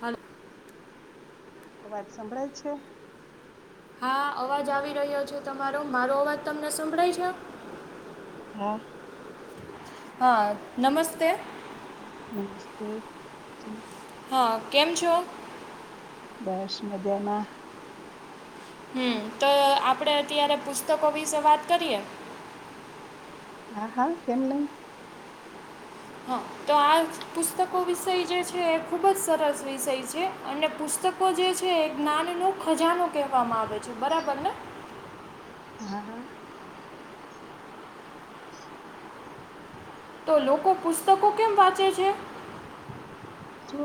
Hello. અવાજ સંભળાય છે. હા, અવાજ આવી રહ્યો છે તમારો. મારો અવાજ તમને સંભળાય છે? હા. હા, નમસ્તે. નમસ્તે જી. હા, કેમ છો? બસ મજામાં. હમ, તો આપડે અત્યારે પુસ્તકો વિશે વાત કરીએ. હા, હા, કેમ નહીં! હા, તો આ પુસ્તકો વિષય જે છે, એ ખુબ જ સરસ વિષય છે. અને પુસ્તકો જે છે એ જ્ઞાનનો ખજાનો કહેવામાં આવે છે, બરાબર ને? હા, હા. તો લોકો પુસ્તકો કેમ વાંચે છે? જો,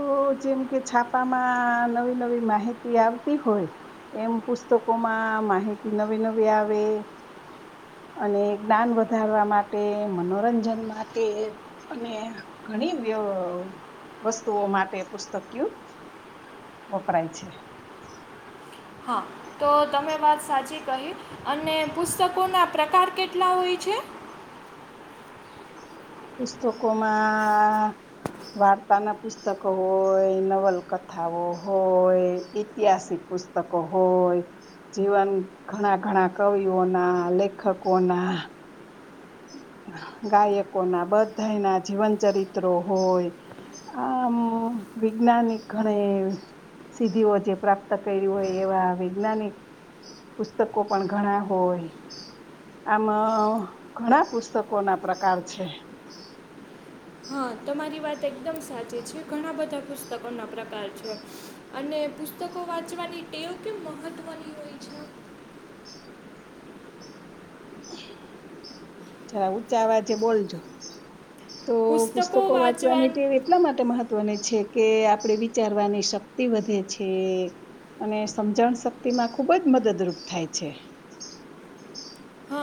જેમ કે છાપામાં નવી નવી માહિતી આવતી હોય, એમ પુસ્તકોમાં માહિતી નવી નવી આવે અને જ્ઞાન વધારવા માટે મનોરંજન માટે અને ઘણી વસ્તુઓ માટે પુસ્તકિય વપરાય છે. હા, તો તમે વાત સાચી કહી. અને પુસ્તકોના પ્રકાર કેટલા હોય છે? પુસ્તકોમાં વાર્તા ના પુસ્તકો હોય, નવલકથાઓ હોય, ઐતિહાસિક પુસ્તકો હોય, જીવન ઘણા ઘણા કવિઓના લેખકોના ગાયકો ના બધાઈ ના જીવન ચરિત્રો હોય, આમ વૈજ્ઞાનિક ઘણે સિદ્ધિઓ જે પ્રાપ્ત કરી હોય, એવા વૈજ્ઞાનિક પુસ્તકો પણ ઘણા હોય આમ. ઘણા પુસ્તકો ના પ્રકાર છે. હા, તમારી વાત એકદમ સાચી છે. ઘણા બધા પુસ્તકોના પ્રકાર છે, અને પુસ્તકો વાંચવાની ટેવ કેમ મહત્વની હોય છે? જરા ઊંચા અવાજે બોલજો. તો પુસ્તકો વાંચવાની ટેવ એટલા માટે મહત્વની મહત્વને છે કે, આપણે વિચારવાની શક્તિ વધે છે, અને સમજણ શક્તિ માં ખૂબ જ મદદરૂપ થાય છે.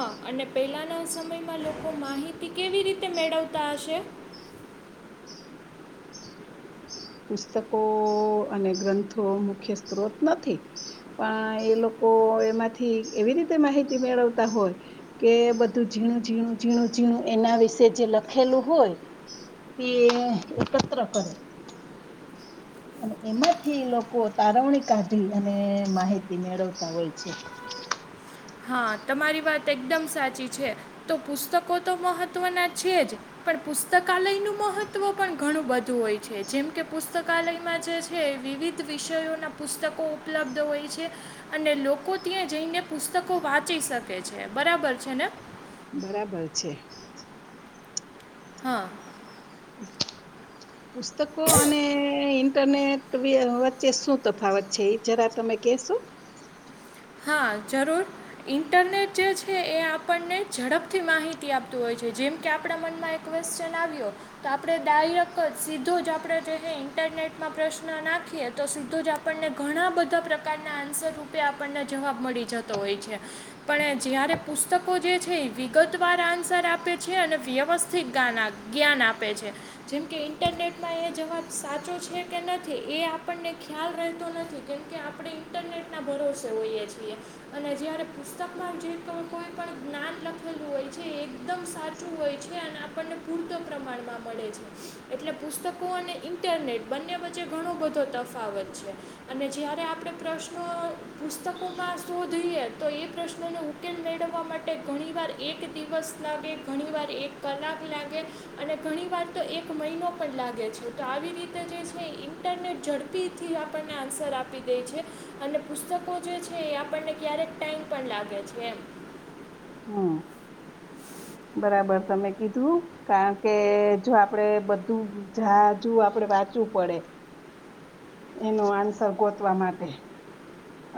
હા, અને પહેલાંના સમયમાં લોકો માહિતી કેવી રીતે મેળવતા હશે? પુસ્તકો અને ગ્રંથો મુખ્ય સ્ત્રોત નથી, પણ એ લોકો એમાંથી એવી રીતે માહિતી મેળવતા હોય કે, બધું ઝીણું ઝીણું, ઝીણું ઝીણું એના વિશે જે લખેલું હોય, તે એકત્ર કરે. અને એમાંથી લોકો તારવણી કાદી, અને માહિતી મેળવતા હોય છે. હા, તમારી વાત એકદમ સાચી છે. તો પુસ્તકો તો મહત્વના છે જ, પણ પુસ્તકાલયનું મહત્વ પણ ઘણું બધું હોય છે. જેમ કે, પુસ્તકાલયમાં જે છે, વિવિધ વિષયોના પુસ્તકો ઉપલબ્ધ હોય છે, અને લોકો ત્યાં જઈને પુસ્તકો પુસ્તકો વાંચી શકે છે. બરાબર છે ને? બરાબર છે. હા. પુસ્તકો અને ઈન્ટરનેટ વચ્ચે શું તફાવત છે? એ જરા તમે કહેશો? હા, જરૂર. ઇન્ટરનેટ જે છે, એ આપણને ઝડપથી માહિતી આપતું હોય છે. જેમ કે, આપણા મનમાં એક ક્વેશ્ચન આવ્યો, તો આપણે ડાયરેક જ, સીધો જ, આપણે જે ઇન્ટરનેટમાં પ્રશ્ન નાખીએ, તો સીધો જ આપણને ઘણા બધા પ્રકારના આન્સર રૂપે આપણને જવાબ મળી જતો હોય છે. પણ જ્યારે પુસ્તકો જે છે, એ વિગતવાર આન્સર આપે છે અને વ્યવસ્થિત જ્ઞાન આપે છે. જેમ કે, ઇન્ટરનેટમાં એ જવાબ સાચો છે કે નથી, એ આપણને ખ્યાલ રહેતો નથી, કેમ કે આપણે ઇન્ટરનેટના ભરોસે હોઈએ છીએ. અને જ્યારે પુસ્તકમાં જે કોઈ પણ જ્ઞાન લખેલું હોય છે, એ એકદમ સાચું હોય છે, અને આપણને પૂરતો પ્રમાણમાં મળે છે. એટલે પુસ્તકો અને ઇન્ટરનેટ બંને વચ્ચે ઘણો બધો તફાવત છે. અને જ્યારે આપણે પ્રશ્નો પુસ્તકોમાં શોધીએ, તો એ પ્રશ્નનો ઉકેલ મેળવવા માટે ઘણીવાર એક દિવસ લાગે, ઘણીવાર એક કલાક લાગે, અને ઘણીવાર તો એક મહિનો પણ લાગે છે. તો આવી રીતે ઝડપી થી આપણને આન્સર આપી દે છે, અને પુસ્તક લોકો જે છે, આપણને ક્યારેક ટાઈમ પણ લાગે છે, એમ. હમ, બરાબર, તમે કીધું. કારણ કે, જો આપડે બધું જાજુ આપડે વાંચવું પડે. એનો આન્સર ગોતવા માટે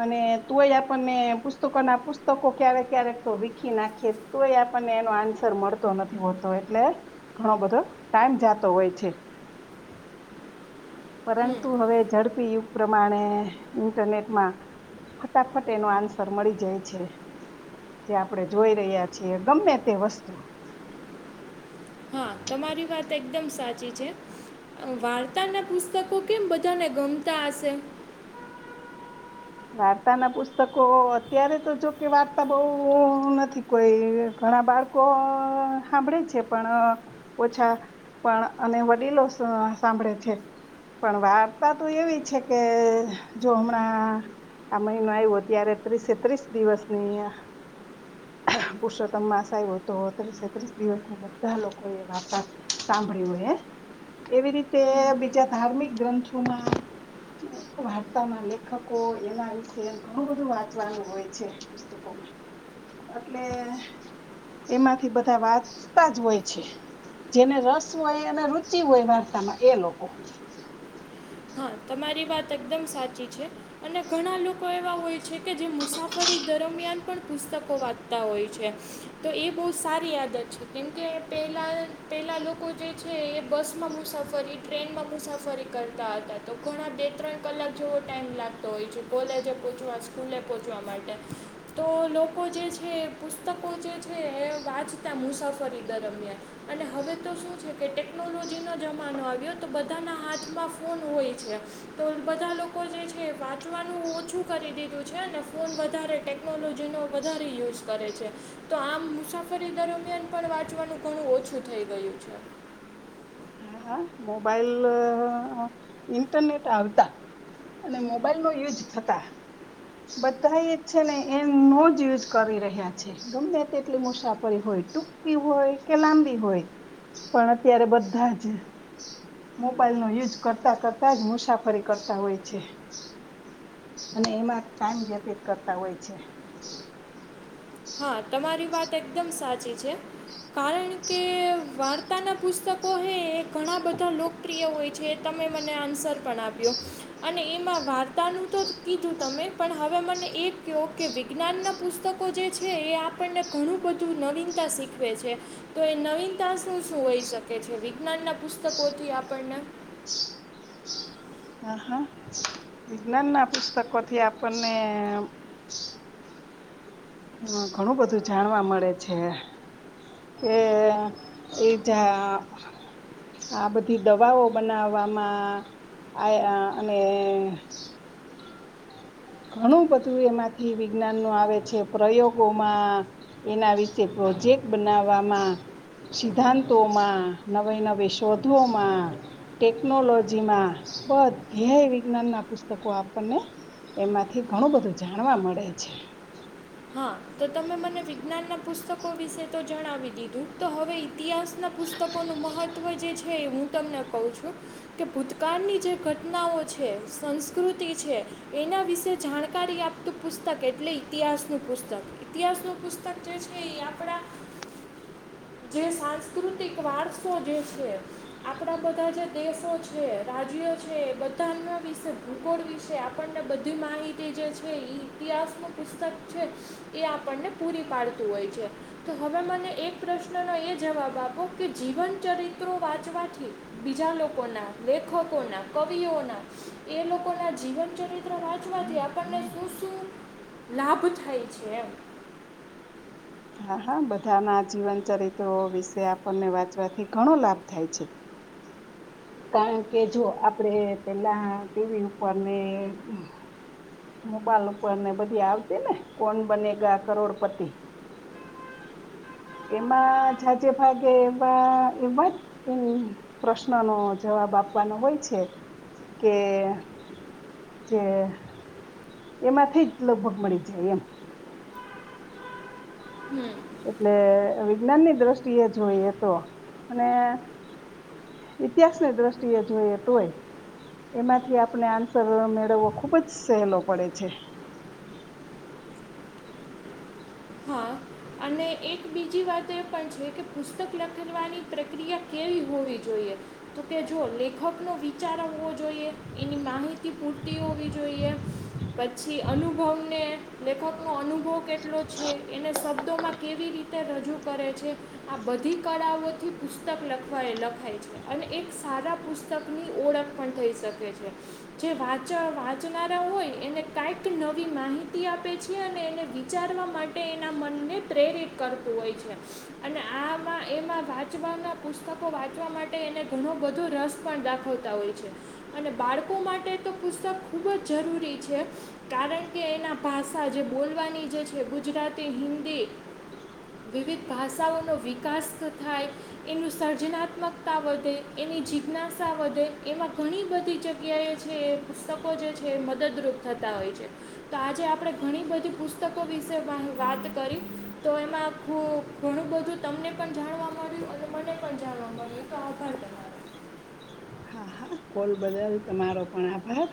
અને તોય આપણને પુસ્તકોના પુસ્તકો ક્યારેક ક્યારેક તો વીખી નાખીએ તોય આપણને એનો આન્સર મળતો નથી હોતો એટલે ઘણો બધો ટાઈમ જાતો હોય છે પરંતુ હમ હવે ઝડપી યુગ પ્રમાણે ઈન્ટરનેટમાં ફટાફટ એનો આન્સર મળી જાય છે જે આપણે જોઈ રહ્યા છીએ ગમે તે વસ્તુ હા તમારી વાત એકદમ સાચ છે વાર્તા ના પુસ્તકો કેમ બધાને ગમતા હશે વાર્તા ના પુસ્તકો અત્યારે તો જો કે વાર્તા બહ નથી કોઈ ઘણા બાળકો સાંભળે છે પણ ઓછા પણ અને વડીલો સાંભળે છે પણ વાર્તા તો એવી છે કે જો હમણાં આ મહિનો આવ્યો ત્યારે ત્રીસે ત્રીસ દિવસ ની અહં પુરુષોત્તમ માસ આવ તો ત્રીસે ત્રીસ દિવસની બધા લોકો એ વાર્તા સાંભળી હોય એવી રીતે બીજા ધાર્મિક ગ્રંથોમાં વાર્તાના લેખકો એના વિશે ઘણું બધું વાંચવાનું હોય છે પુસ્તકોમાં એટલે એમાંથી બધા વાર્તા જ હોય છે જેને રસ હોય અને રુચિ હોય વાર્તામાં એ લોકો હા તમારી વાત એકદમ સાચી છે અને ઘણા લોકો એવા હોય છે કે જે મુસાફરી દરમિયાન પણ પુસ્તકો વાંચતા હોય છે તો એ બહુ સારી આદત છે કેમકે પહેલાં પહેલાં લોકો જે છે એ બસમાં મુસાફરી ટ્રેનમાં મુસાફરી કરતા હતા તો ઘણા બે ત્રણ કલાક જેવો ટાઈમ લાગતો હોય છે કોલેજે પહોંચવા સ્કૂલે પહોંચવા માટે તો લોકો જે છે એ પુસ્તકો જે છે એ વાંચતા મુસાફરી દરમિયાન અને હવે તો શું છે કે ટેકનોલોજીનો જમાનો આવ્યો તો બધાના હાથમાં ફોન હોય તો બધા લોકો જે છે વાંચવાનું ઓછું કરી દીધું છે ને ફોન વધારે ટેકનોલોજીનો વધારે યુઝ કરે છે તો આમ મુસાફરી દરમિયાન પણ વાંચવાનું ઘણું ઓછું થઈ ગયું છે હા મોબાઈલ ઇન્ટરનેટ આવતા અને મોબાઈલ નો યુજ થતા બધા એ છે ને એનો જ યુઝ કરી રહ્યા છે ગમે તેટલી મુસાફરી હોય ટૂંકી હોય કે લાંબી હોય પણ અત્યારે બધા જ મોબાઈલનો યુઝ કરતાં કરતા જ મુસાફરી કરતા હોય છે અને એમાં ટમ વ્યતીત કરતા હોય છે હા તમારી વાત એકદમ સાચી છે કારણ કે વાર્તાનાં પુસ્તકો હ ઘણા બધા લોકપ્રિય હોય છે તમે મને આન્સર પણ આપ્યો અને એમાં વાર્તાનું તો કીધું તમે પણ હવે મને એ કહો કે વિજ્ઞાનનાં પુસ્તકો જે છે છે એ આપણને ઘણું બધું નવીનતા શીખવે છે તો એ નવીનતા શું શું હોઈ શકે છે વિજ્ઞાનના પુસ્તકોથી આપણને હા હા વિજ્ઞાન ના પુસ્તકો થી આપણને હ ઘણું બધું જાણવા મળે છે કે એજ આ બધી દવાઓ બનાવવામાં આ અને ઘણું બધું એમાંથી વિજ્ઞાન ન આવે છે પ્રયોગોમાં એના વિશે પ્રોજેક્ટ બનાવવામાં સિદ્ધાંતોમાં નવે નવી શોધોમાં ટેકનોલોજીમાં બધે વિજ્ઞાનના પુસ્તકો આપણને એમાંથી ઘણું બધું જાણવા મળે છે હા તો તમે મને વિજ્ઞાનના પુસ્તકો વિશે તો જણાવી દીધું તો હવે ઇતિહાસના પુસ્તકોનું મહત્ત્વ જે છે એ હું તમને કહું છું કે ભૂતકાળની જે ઘટનાઓ છે સંસ્કૃતિ છે એના વિશે જાણકારી આપતું પુસ્તક એટલે ઇતિહાસનું પુસ્તક ઇતિહાસનું પુસ્તક જે છે એ આપણા જે સાંસ્કૃતિક વારસો જે છે આપણા બધા જે દેશો છે રાજ્યો છે એ બધા અ વિશે ભૂગોળ વિશે આપણને બધી માહિતી જે છે ઇતિહાસ નું પુસ્તક છે એ આપણને પૂરી પાડતું હોય છે તો હવે મને એક પ્રશ્નનો એ જવાબ આપો કે જીવનચરિત્રો વાંચવાથી બીજા લોકોના લેખકોના કવિઓના એ લોકોના જીવનચરિત્ર વાચવાથી આપણને શું શું લાભ થાય છે એમ હા હા બધાના જીવન ચરિત્રો વિશે આપણને વાંચવાથી ઘણો લાભ થાય છે કારણ કે જો આપડે પેલા ટીવી ઉપર ને મોબાઈલ ઉપર ને બધી આવતી ને કોણ બનેગા કરોડપતિ એમાં જાજે ભાગે એવા એવા જ પ્રશ્નોનોો જવાબ આપવાનો હોય છે કે જે એમાં થઈ જ લભગ મળી જાય એમ હમ એટલે વિજ્ઞાનની દ્રષ્ટિએ જોઈએ તો અને ઇતિહાસની દ્રષ્ટિએ જોઈએ તોય એમાંથી આપણે આન્સર મેળવવો ખૂબ જ સહેલો પડે છે હા અને એક બીજી વાત એ પણ છે કે પુસ્તક લખવાની પ્રક્રિયા કેવી હોવી જોઈએ તો કે જો લેખકનો વિચાર આવવો જોઈએ એની માહિતી પૂરતી હોવી જોઈએ પછી અનુભવને લેખકનો અનુભવ કેટલો છે એને શબ્દોમાં કેવી રીતે રજૂ કરે છે આ બધી કળાઓથી પુસ્તક લખવા લખાય છે અને એક સારા પુસ્તકની ઓળખ પણ થઈ શકે છે જે વાચ વાંચનારા હોય એને કાંઈક નવી માહિતી આપે છે અને એને વિચાર માટે એના મનને પ્રેરિત કરતું હોય છે અને આમાં એમાં વાંચવાના પુસ્તકો વાંચવા માટે એને ઘણો બધો રસ પણ દાખવતા હોય છે અને બાળકો માટે તો પુસ્તક ખૂબ જ જરૂરી છે કારણ કે એના ભાષા જે બોલવાની જે ગુજરાતી હિન્દી વિવિધ ભાષાઓનો વિકાસ થાય એનું સર્જનાત્મકતા વધે એની જિજ્ઞાસા વધે એમાં ઘણી બધી જગ્યાએ છે એ પુસ્તકો જે છે એ મદદરૂપ થતા હોય છે, તો આજે આપણે ઘણી બધી પુસ્તકો વિશે વાત કરી તો એમાં આખું ઘણું બધું તમને પણ જાણવા મળ્યું અને મને પણ જાણવા મળ્યું તો આભાર તમારો હા હા કોલ બદલ તમારો પણ આભાર